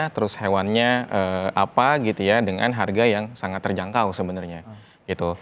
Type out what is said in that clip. terus hewannya apa gitu ya dengan harga yang sangat terjangkau sebenarnya gitu